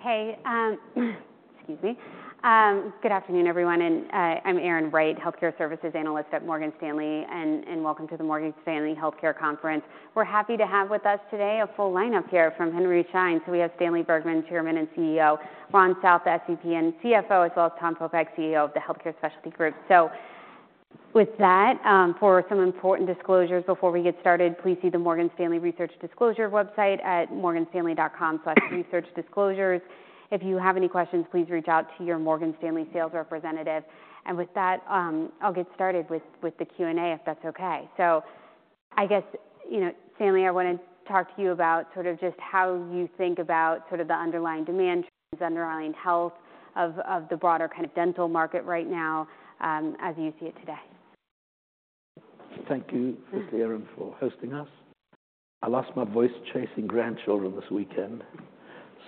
Okay, excuse me. Good afternoon, everyone, and, I'm Erin Wright, healthcare services analyst at Morgan Stanley, and welcome to the Morgan Stanley Healthcare Conference. We're happy to have with us today a full lineup here from Henry Schein. So we have Stanley Bergman, Chairman and CEO, Ron South, SVP and CFO, as well as Tom Popeck, CEO of the Healthcare Specialty Group. So with that, for some important disclosures before we get started, please see the Morgan Stanley Research Disclosure website at morganstanley.com/researchdisclosures. If you have any questions, please reach out to your Morgan Stanley sales representative. And with that, I'll get started with the Q&A, if that's okay. So I guess, you know, Stanley, I wanna talk to you about sort of just how you think about sort of the underlying demand, underlying health of the broader kind of dental market right now, as you see it today. Thank you, Erin, for hosting us. I lost my voice chasing grandchildren this weekend,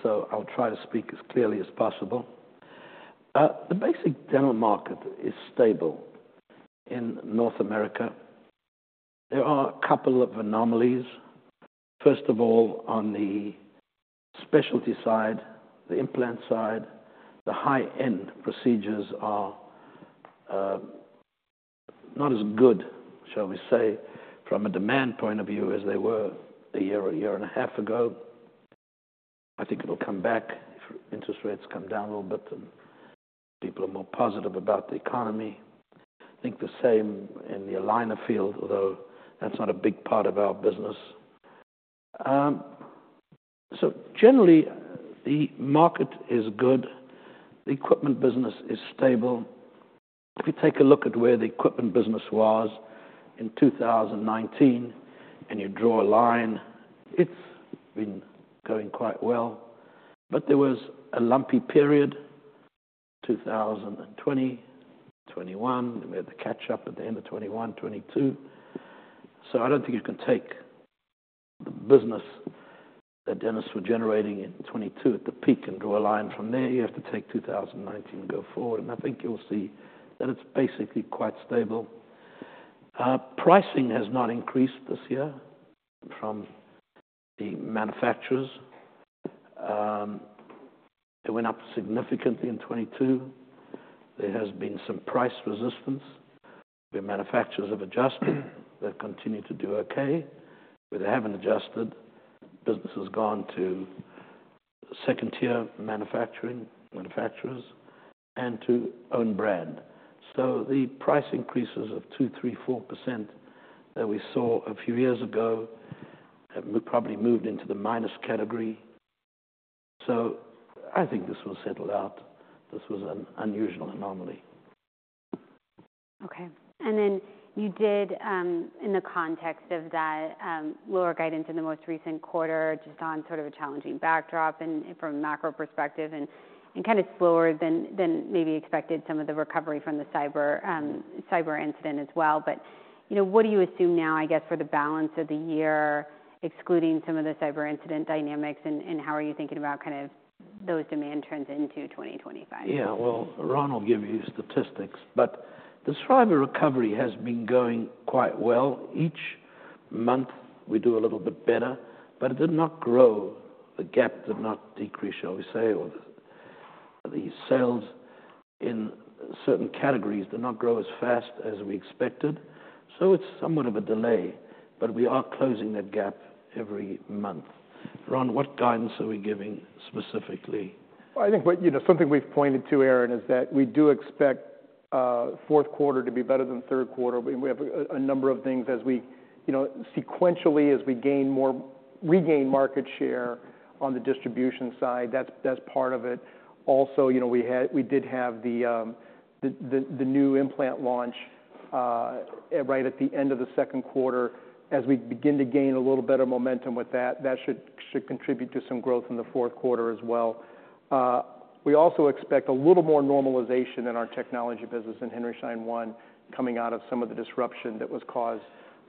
so I'll try to speak as clearly as possible. The basic dental market is stable in North America. There are a couple of anomalies. First of all, on the specialty side, the implant side, the high-end procedures are not as good, shall we say, from a demand point of view, as they were a year or a year and a half ago. I think it'll come back if interest rates come down a little bit, and people are more positive about the economy. I think the same in the aligner field, although that's not a big part of our business. So generally, the market is good. The equipment business is stable. If you take a look at where the equipment business was in 2019, and you draw a line, it's been going quite well. But there was a lumpy period, 2020, 2021. We had to catch up at the end of 2021, 2022. So I don't think you can take the business that dentists were generating in 2022 at the peak and draw a line from there. You have to take 2019 and go forward, and I think you'll see that it's basically quite stable. Pricing has not increased this year from the manufacturers. It went up significantly in 2022. There has been some price resistance. The manufacturers have adjusted. They've continued to do okay, but they haven't adjusted. Business has gone to second-tier manufacturing, manufacturers and to own brand. So the price increases of 2%, 3%, 4% that we saw a few years ago have probably moved into the minus category. So I think this will settle out. This was an unusual anomaly. Okay, and then you did, in the context of that, lower guidance in the most recent quarter, just on sort of a challenging backdrop and from a macro perspective and kind of slower than maybe expected, some of the recovery from the cyber incident as well. But, you know, what do you assume now, I guess, for the balance of the year, excluding some of the cyber incident dynamics, and how are you thinking about kind of those demand trends into 2025? Yeah, well, Ron will give you statistics, but the cyber recovery has been going quite well. Each month we do a little bit better, but it did not grow. The gap did not decrease, shall we say, or the sales in certain categories did not grow as fast as we expected, so it's somewhat of a delay, but we are closing that gap every month. Ron, what guidance are we giving specifically? I think what, you know, something we've pointed to, Erin, is that we do expect fourth quarter to be better than third quarter. We have a number of things as we, you know, sequentially, as we regain market share on the distribution side, that's part of it. Also, you know, we had. We did have the new implant launch right at the end of the second quarter. As we begin to gain a little better momentum with that, that should contribute to some growth in the fourth quarter as well. We also expect a little more normalization in our technology business in Henry Schein One, coming out of some of the disruption that was caused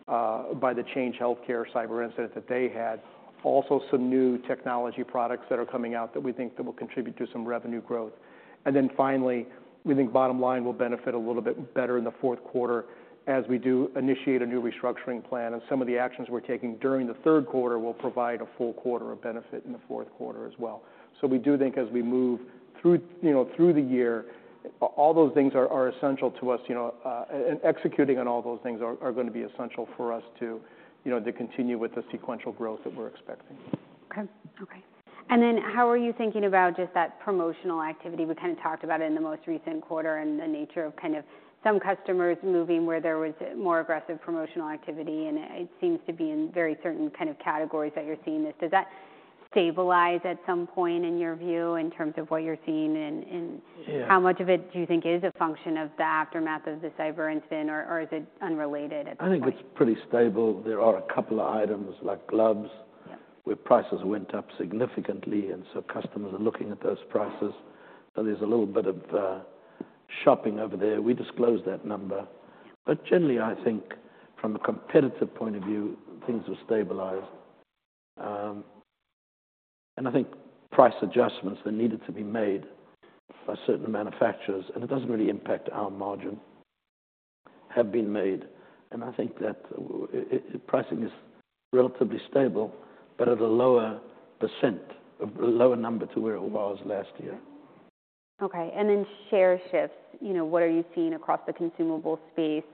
by the Change Healthcare cyber incident that they had. Also, some new technology products that are coming out that we think that will contribute to some revenue growth. And then finally, we think bottom line will benefit a little bit better in the fourth quarter as we do initiate a new restructuring plan, and some of the actions we're taking during the third quarter will provide a full quarter of benefit in the fourth quarter as well. So we do think as we move through, you know, through the year, all those things are essential to us, you know, and executing on all those things are going to be essential for us to, you know, to continue with the sequential growth that we're expecting. Okay. Okay, and then how are you thinking about just that promotional activity? We kind of talked about it in the most recent quarter and the nature of kind of some customers moving where there was more aggressive promotional activity, and it seems to be in very certain kind of categories that you're seeing this. Does that stabilize at some point, in your view, in terms of what you're seeing in Yeah. How much of it do you think is a function of the aftermath of the cyber incident, or is it unrelated at this point? I think it's pretty stable. There are a couple of items, like gloves- Yeah... where prices went up significantly, and so customers are looking at those prices. So there's a little bit of shopping over there. We disclosed that number, but generally, I think from a competitive point of view, things have stabilized, and I think price adjustments that needed to be made by certain manufacturers, and it doesn't really impact our margin, have been made, and I think that pricing is relatively stable, but at a lower percent, a lower number to where it was last year. Okay, and then share shifts. You know, what are you seeing across the consumable space?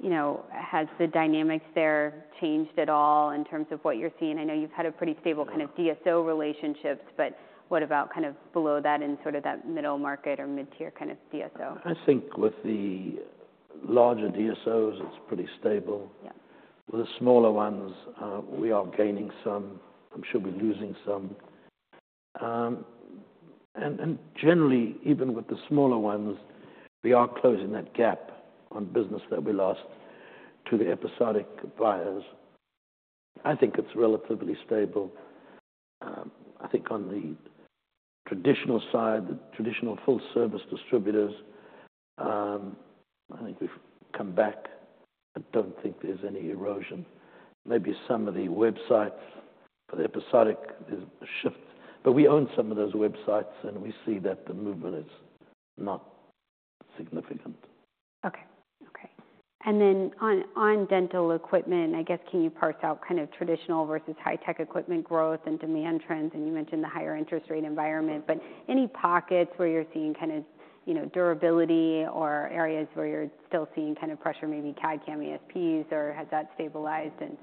You know, has the dynamics there changed at all in terms of what you're seeing? I know you've had a pretty stable- Yeah Kind of DSO relationships, but what about kind of below that, in sort of that middle market or mid-tier kind of DSO? I think with the larger DSOs, it's pretty stable. Yeah. With the smaller ones, we are gaining some. I'm sure we're losing some. And generally, even with the smaller ones, we are closing that gap on business that we lost to the episodic buyers. I think it's relatively stable. I think on the traditional side, the traditional full-service distributors, I think we've come back. I don't think there's any erosion. Maybe some of the websites, but episodic is a shift, but we own some of those websites, and we see that the movement is not significant. Okay, and then on dental equipment, I guess, can you parse out kind of traditional versus high-tech equipment growth and demand trends? And you mentioned the higher interest rate environment- Right. -but any pockets where you're seeing kind of, you know, durability or areas where you're still seeing kind of pressure, maybe CAD/CAM, ASPs, or has that stabilized in-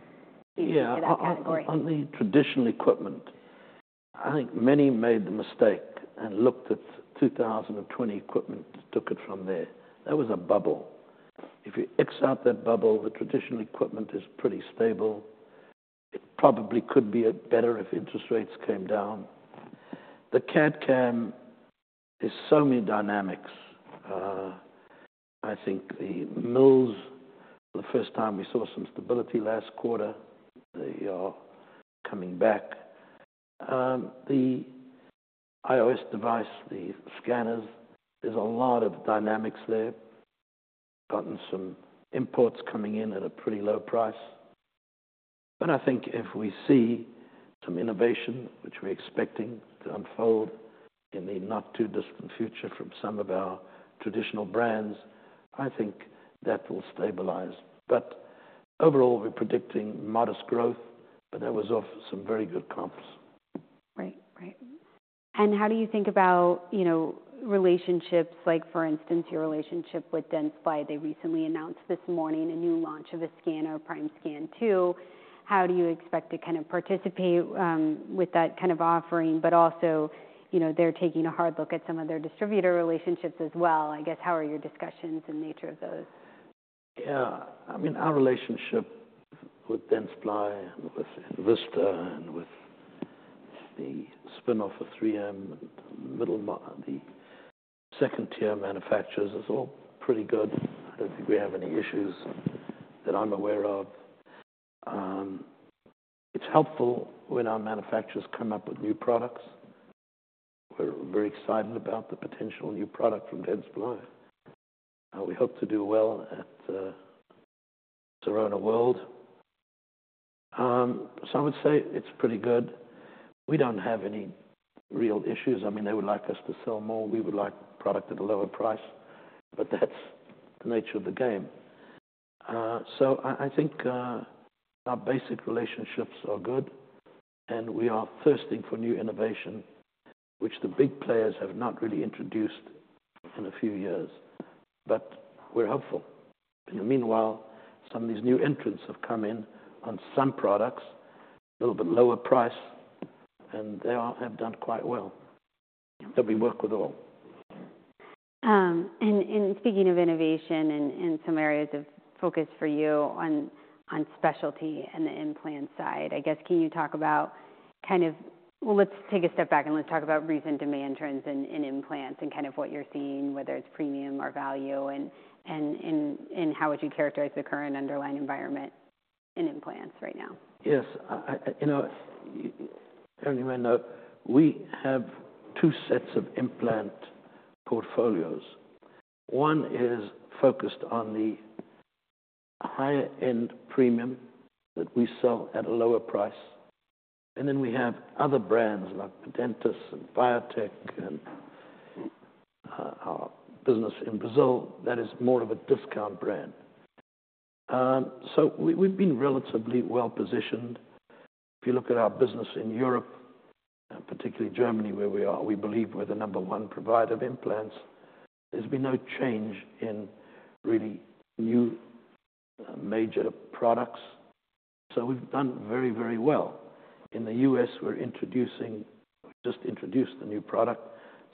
Yeah. In that category? On the traditional equipment, I think many made the mistake and looked at 2020 equipment and took it from there. That was a bubble. If you X out that bubble, the traditional equipment is pretty stable. It probably could be better if interest rates came down. The CAD/CAM is so many dynamics. I think the mills, for the first time, we saw some stability last quarter. They are coming back. The iOS device, the scanners, there's a lot of dynamics there. Gotten some imports coming in at a pretty low price. But I think if we see some innovation, which we're expecting to unfold in the not-too-distant future from some of our traditional brands, I think that will stabilize. But overall, we're predicting modest growth, but that was off some very good comps. Right. Right. And how do you think about, you know, relationships, like, for instance, your relationship with Dentsply? They recently announced this morning a new launch of a scanner, Primescan 2. How do you expect to kind of participate with that kind of offering? But also, you know, they're taking a hard look at some of their distributor relationships as well. I guess, how are your discussions and nature of those? Yeah, I mean, our relationship with Dentsply and with Envista and with the spinoff of 3M, and the second-tier manufacturers, is all pretty good. I don't think we have any issues that I'm aware of. It's helpful when our manufacturers come up with new products. We're very excited about the potential new product from Dentsply, and we hope to do well at Sirona World. So I would say it's pretty good. We don't have any real issues. I mean, they would like us to sell more. We would like product at a lower price, but that's the nature of the game. So I think our basic relationships are good, and we are thirsting for new innovation, which the big players have not really introduced in a few years. But we're hopeful. In the meanwhile, some of these new entrants have come in on some products, a little bit lower price, and they all have done quite well. So we work with all. And speaking of innovation and some areas of focus for you on specialty and the implant side, I guess, can you talk about kind of... Well, let's take a step back, and let's talk about recent demand trends in implants and kind of what you're seeing, whether it's premium or value, and how would you characterize the current underlying environment in implants right now? Yes. You know, we have two sets of implant portfolios. One is focused on the higher-end premium that we sell at a lower price, and then we have other brands, like Dentis and Biotech and our business in Brazil, that is more of a discount brand. So we've been relatively well-positioned. If you look at our business in Europe, and particularly Germany, where we are, we believe we're the number one provider of implants. There's been no change in really new major products, so we've done very, very well. In the U.S., we just introduced a new product,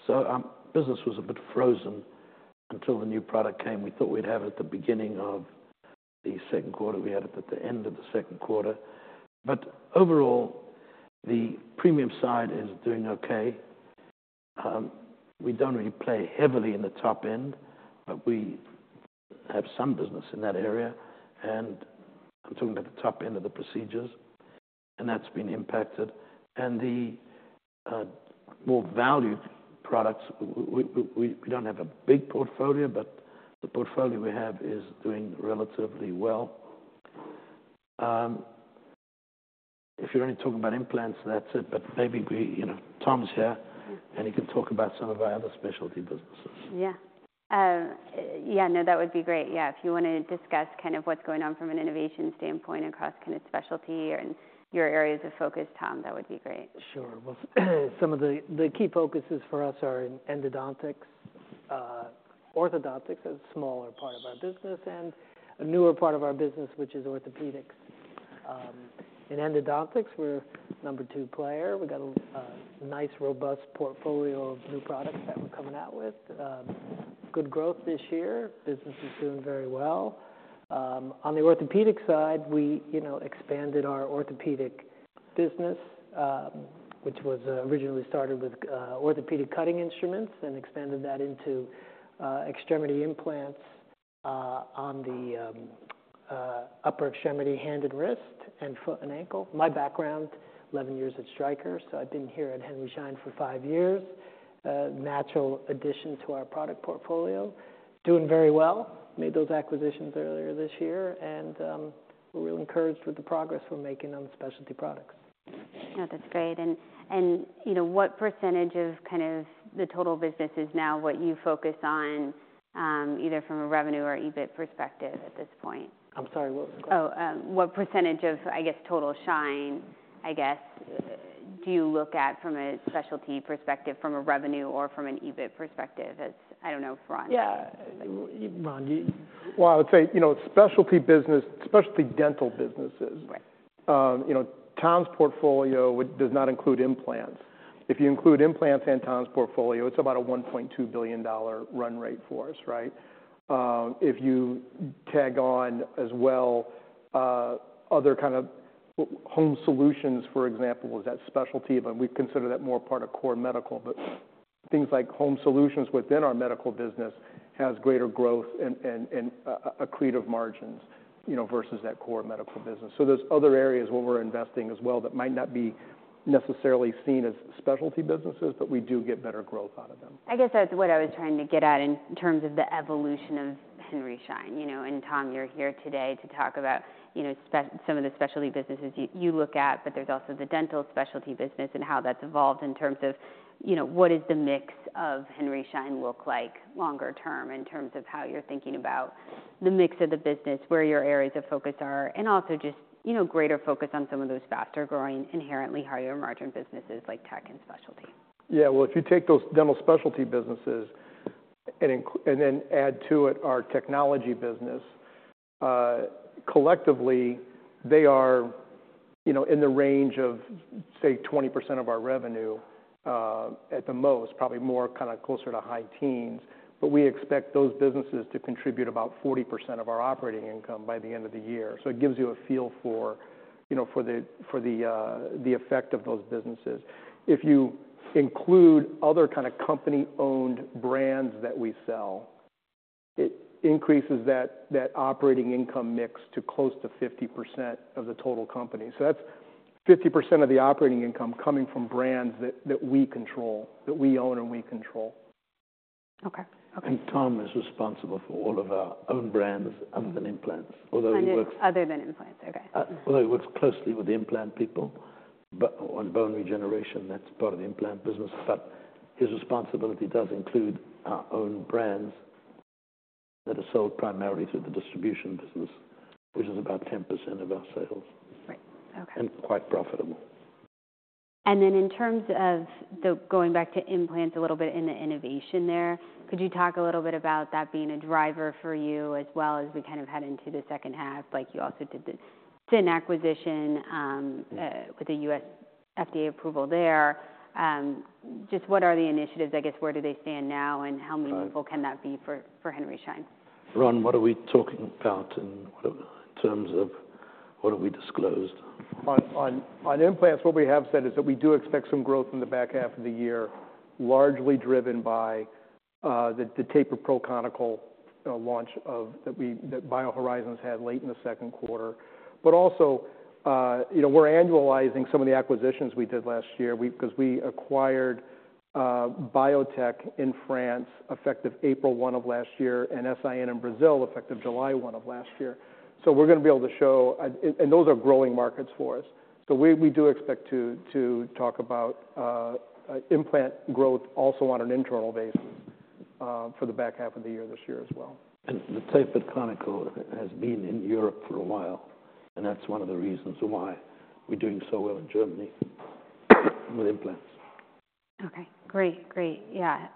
so our business was a bit frozen until the new product came. We thought we'd have it at the beginning of the second quarter. We had it at the end of the second quarter. But overall, the premium side is doing okay. We don't really play heavily in the top end, but we have some business in that area, and I'm talking about the top end of the procedures, and that's been impacted. And the more valued products, we don't have a big portfolio, but the portfolio we have is doing relatively well. If you're only talking about implants, that's it. But maybe we, you know, Tom's here, and he can talk about some of our other specialty businesses. Yeah. Yeah, no, that would be great. Yeah, if you wanna discuss kind of what's going on from an innovation standpoint across kind of specialty and your areas of focus, Tom, that would be great. Sure. Well, some of the key focuses for us are in endodontics. Orthodontics, a smaller part of our business, and a newer part of our business, which is orthopedics. In endodontics, we're number two player. We got a nice, robust portfolio of new products that we're coming out with. Good growth this year. Business is doing very well. On the orthopedic side, we, you know, expanded our orthopedic business, which was originally started with orthopedic cutting instruments and expanded that into extremity implants on the upper extremity, hand and wrist, and foot and ankle. My background, eleven years at Stryker, so I've been here at Henry Schein for five years. Natural addition to our product portfolio. Doing very well. Made those acquisitions earlier this year, and, we're really encouraged with the progress we're making on the specialty products. Yeah, that's great, and you know, what percentage of kind of the total business is now what you focus on, either from a revenue or EBIT perspective at this point? I'm sorry, what was the question? Oh, what percentage of, I guess, total Schein, I guess, do you look at from a specialty perspective, from a revenue or from an EBIT perspective? As I don't know, Ron. Yeah. Ron, do you. Well, I would say, you know, specialty business, specialty dental businesses. Right. You know, Tom's portfolio does not include implants. If you include implants in Tom's portfolio, it's about a $1.2 billion run rate for us, right? If you tag on, as well, other kind of home solutions, for example, is that specialty, but we consider that more part of core medical. But things like home solutions within our medical business has greater growth and accretive margins, you know, versus that core medical business. So there's other areas where we're investing as well that might not be necessarily seen as specialty businesses, but we do get better growth out of them. I guess that's what I was trying to get at in terms of the evolution of Henry Schein, you know, and Tom, you're here today to talk about, you know, some of the specialty businesses you look at, but there's also the dental specialty business and how that's evolved in terms of, you know, what is the mix of Henry Schein look like longer term, in terms of how you're thinking about the mix of the business, where your areas of focus are, and also just, you know, greater focus on some of those faster-growing, inherently higher-margin businesses like tech and specialty. Yeah, well, if you take those dental specialty businesses and then add to it our technology business, collectively, they are, you know, in the range of, say, 20% of our revenue, at the most, probably more kind of closer to high teens. But we expect those businesses to contribute about 40% of our operating income by the end of the year. So it gives you a feel for, you know, for the effect of those businesses. If you include other kind of company-owned brands that we sell, it increases that operating income mix to close to 50% of the total company. So that's 50% of the operating income coming from brands that we control, that we own and we control. Okay. Okay. Tom is responsible for all of our own brands. Mm-hmm. Other than implants, although he works- Other than implants, okay. Although he works closely with the implant people, on bone regeneration, that's part of the implant business. But his responsibility does include our own brands that are sold primarily through the distribution business, which is about 10% of our sales. Right. Okay. Quite profitable. And then in terms of the... Going back to implants a little bit in the innovation there, could you talk a little bit about that being a driver for you, as well as we kind of head into the second half, like you also did the SIN acquisition? Yeah... with the U.S. FDA approval there. Just what are the initiatives, I guess, where do they stand now, and how meaningful- Uh Can that be for Henry Schein? Ron, what are we talking about in terms of what have we disclosed? On implants, what we have said is that we do expect some growth in the back half of the year, largely driven by the Tapered Pro Conical launch BioHorizons had late in the second quarter. But also, you know, we're annualizing some of the acquisitions we did last year. 'Cause we acquired Biotech in France, effective April one of last year, and SIN in Brazil, effective July one of last year. So we're gonna be able to show those are growing markets for us. So we do expect to talk about implant growth also on an internal basis for the back half of the year this year as well. The tapered conical has been in Europe for a while, and that's one of the reasons why we're doing so well in Germany with implants. Okay, great. Great, yeah.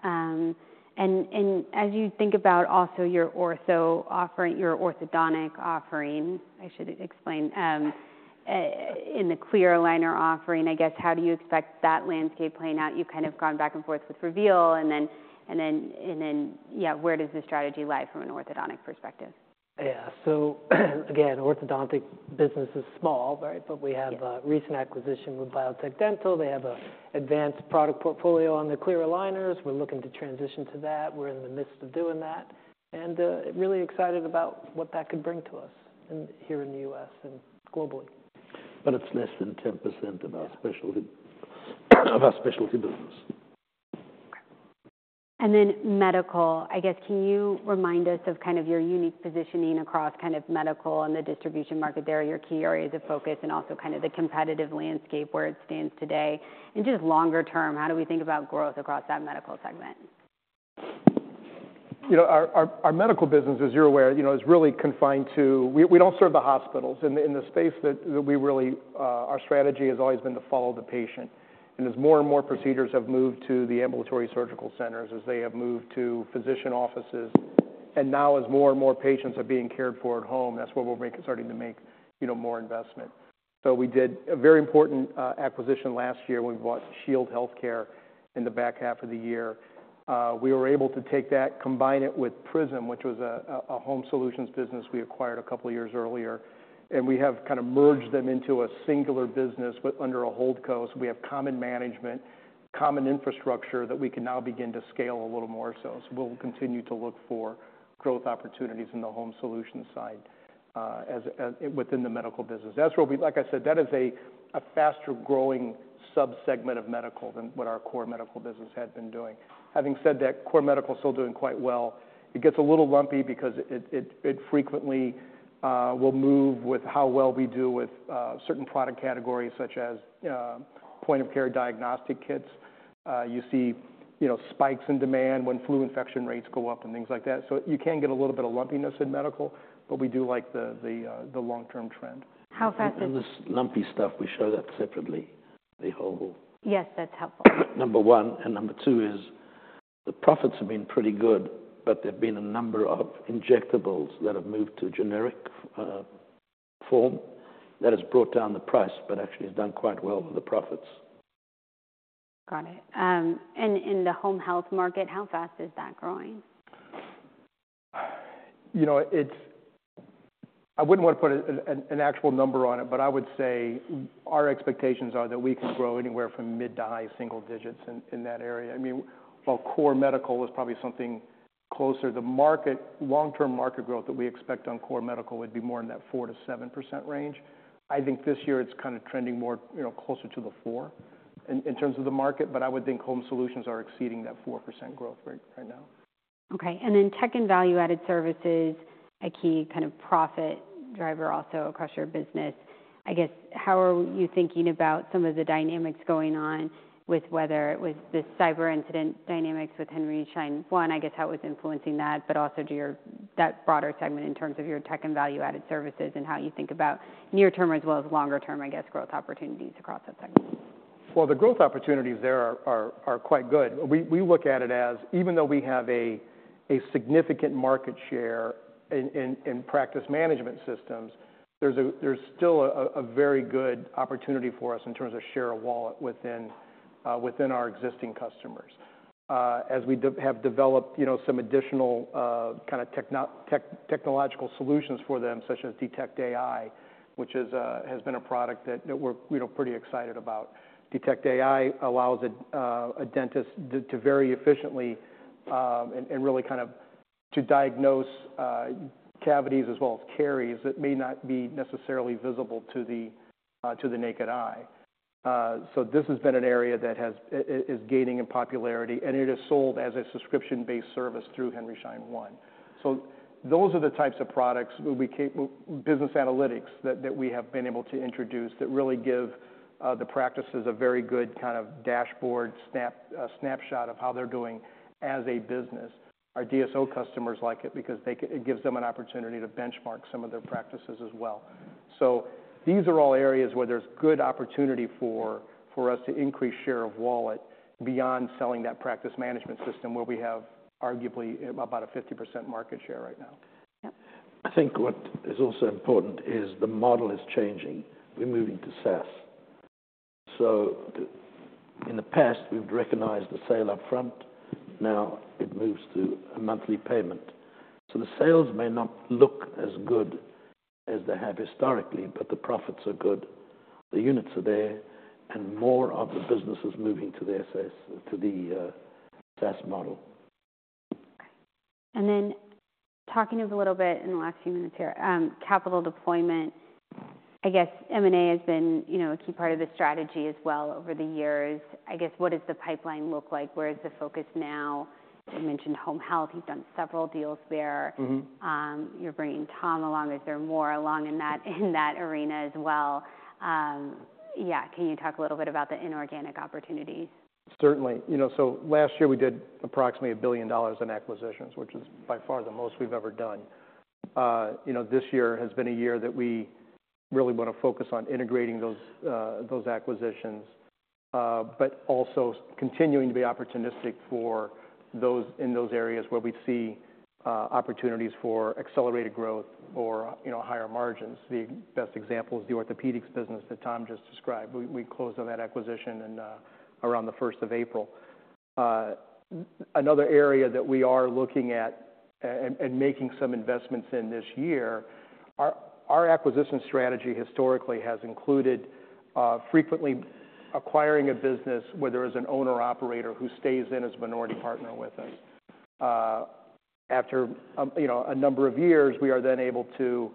And as you think about also your ortho offering, your orthodontic offering, I should explain in the clear aligner offering, I guess, how do you expect that landscape playing out? You've kind of gone back and forth with Reveal, and then, yeah, where does the strategy lie from an orthodontic perspective? Yeah. So again, orthodontic business is small, right? Yes. But we have a recent acquisition with Biotech Dental. They have a advanced product portfolio on the clear aligners. We're looking to transition to that. We're in the midst of doing that, and really excited about what that could bring to us in here in the US and globally. But it's less than 10% of our specialty business. ...And then medical, I guess, can you remind us of kind of your unique positioning across kind of medical and the distribution market there, your key areas of focus, and also kind of the competitive landscape where it stands today? And just longer term, how do we think about growth across that medical segment? You know, our medical business, as you're aware, you know, is really confined to. We don't serve the hospitals. In the space that we really, our strategy has always been to follow the patient. And as more and more procedures have moved to the ambulatory surgical centers, as they have moved to physician offices, and now as more and more patients are being cared for at home, that's where we're making, starting to make, you know, more investment. So we did a very important acquisition last year when we bought Shield HealthCare in the back half of the year. We were able to take that, combine it with Prism, which was a home solutions business we acquired a couple of years earlier, and we have kind of merged them into a singular business, but under a hold co. So we have common management, common infrastructure, that we can now begin to scale a little more so. We'll continue to look for growth opportunities in the home solutions side within the medical business. That's where we like I said, that is a faster-growing subsegment of medical than what our core medical business had been doing. Having said that, core medical is still doing quite well. It gets a little lumpy because it frequently will move with how well we do with certain product categories, such as point-of-care diagnostic kits. You see, you know, spikes in demand when flu infection rates go up and things like that. So you can get a little bit of lumpiness in medical, but we do like the long-term trend. How fast is- And this lumpy stuff, we show that separately, the whole- Yes, that's helpful. Number one, and number two is the profits have been pretty good, but there have been a number of injectables that have moved to generic form. That has brought down the price, but actually has done quite well with the profits. Got it, and in the home health market, how fast is that growing? You know, it's. I wouldn't want to put an actual number on it, but I would say our expectations are that we can grow anywhere from mid to high single digits in that area. I mean, while core medical is probably something closer, the market. Long-term market growth that we expect on core medical would be more in that 4 to 7% range. I think this year it's kind of trending more, you know, closer to the 4% in terms of the market, but I would think home solutions are exceeding that 4% growth rate right now. Okay, and then tech and value-added services, a key kind of profit driver also across your business. I guess, how are you thinking about some of the dynamics going on with whether... With the cyber incident dynamics, with Henry Schein One, I guess, how it's influencing that, but also to your, that broader segment in terms of your tech and value-added services and how you think about near term as well as longer term, I guess, growth opportunities across that segment? The growth opportunities there are quite good. We look at it as even though we have a significant market share in practice management systems, there's still a very good opportunity for us in terms of share of wallet within our existing customers. As we have developed, you know, some additional kind of technological solutions for them, such as DetectAI, which has been a product that we're, you know, pretty excited about. DetectAI allows a dentist to very efficiently and really kind of to diagnose cavities as well as caries that may not be necessarily visible to the naked eye. So this has been an area that has... It is gaining in popularity, and it is sold as a subscription-based service through Henry Schein One. So those are the types of products: business analytics that we have been able to introduce that really give the practices a very good kind of dashboard snapshot of how they're doing as a business. Our DSO customers like it because it gives them an opportunity to benchmark some of their practices as well. So these are all areas where there's good opportunity for us to increase share of wallet beyond selling that practice management system, where we have arguably about a 50% market share right now. Yep. I think what is also important is the model is changing. We're moving to SaaS. So in the past, we've recognized the sale up front, now it moves to a monthly payment. So the sales may not look as good as they have historically, but the profits are good, the units are there, and more of the business is moving to the SaaS model. And then talking a little bit in the last few minutes here, capital deployment. I guess M&A has been, you know, a key part of the strategy as well over the years. I guess, what does the pipeline look like? Where is the focus now? You mentioned home health, you've done several deals there. Mm-hmm. You're bringing Tom along. Is there more along in that, in that arena as well? Yeah, can you talk a little bit about the inorganic opportunities? Certainly. You know, so last year we did approximately $1 billion in acquisitions, which is by far the most we've ever done. You know, this year has been a year that we really want to focus on integrating those, those acquisitions, but also continuing to be opportunistic for those, in those areas where we see, opportunities for accelerated growth or, you know, higher margins. The best example is the orthopedics business that Tom just described. We closed on that acquisition in, around the 1st of April. Another area that we are looking at and making some investments in this year. Our acquisition strategy historically has included, frequently acquiring a business where there is an owner-operator who stays in as a minority partner with us. After you know a number of years, we are then able to.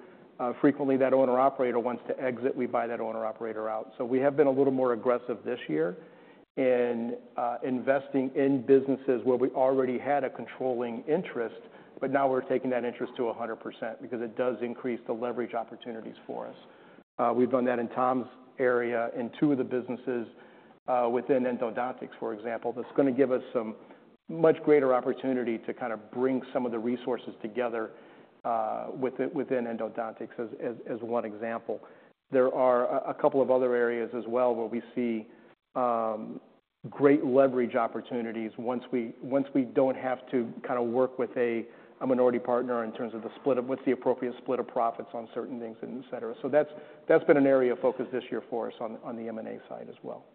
Frequently that owner-operator wants to exit, we buy that owner-operator out, so we have been a little more aggressive this year in investing in businesses where we already had a controlling interest, but now we're taking that interest to 100% because it does increase the leverage opportunities for us. We've done that in Tom's area, in two of the businesses within endodontics, for example. That's gonna give us some much greater opportunity to kind of bring some of the resources together within endodontics, as one example. There are a couple of other areas as well, where we see great leverage opportunities once we don't have to kinda work with a minority partner in terms of the split of what's the appropriate split of profits on certain things, and et cetera. So that's been an area of focus this year for us on the M&A side as well.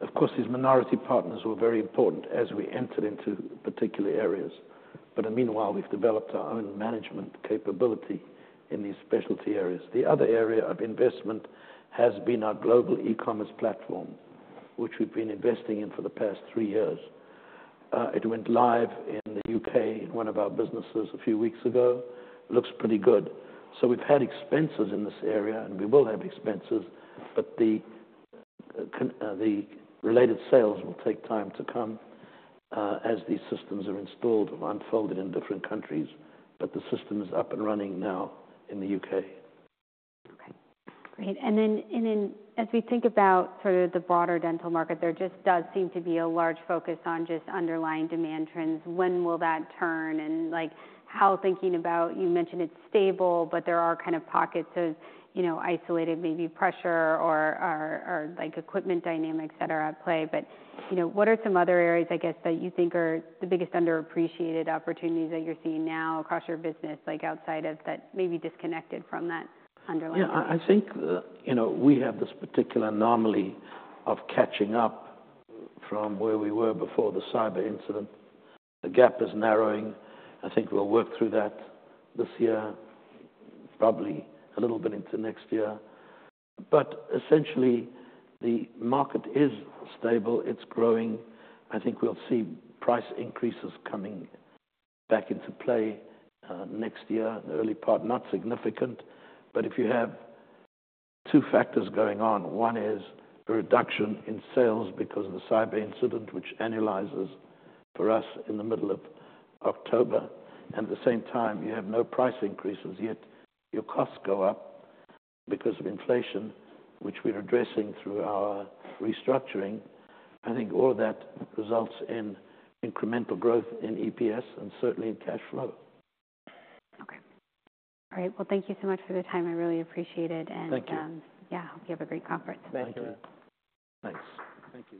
Of course, these minority partners were very important as we entered into particular areas, but in the meanwhile, we've developed our own management capability in these specialty areas. The other area of investment has been our global e-commerce platform, which we've been investing in for the past three years. It went live in the U.K., in one of our businesses a few weeks ago. Looks pretty good. So we've had expenses in this area, and we will have expenses, but the related sales will take time to come, as these systems are installed or unfolded in different countries. But the system is up and running now in the U.K. Okay, great. And then as we think about sort of the broader dental market, there just does seem to be a large focus on just underlying demand trends. When will that turn, and, like, how thinking about? You mentioned it's stable, but there are kind of pockets of, you know, isolated, maybe pressure or like equipment dynamics that are at play. But, you know, what are some other areas, I guess, that you think are the biggest underappreciated opportunities that you're seeing now across your business, like outside of that, maybe disconnected from that underlying? Yeah, I think, you know, we have this particular anomaly of catching up from where we were before the cyber incident. The gap is narrowing. I think we'll work through that this year, probably a little bit into next year. But essentially, the market is stable, it's growing. I think we'll see price increases coming back into play, next year, early part, not significant. But if you have two factors going on, one is a reduction in sales because of the cyber incident, which annualizes for us in the middle of October. At the same time, you have no price increases, yet your costs go up because of inflation, which we're addressing through our restructuring. I think all of that results in incremental growth in EPS and certainly in cash flow. Okay. All right, well, thank you so much for the time. I really appreciate it- Thank you. And, yeah, hope you have a great conference. Thank you. Thanks. Thank you.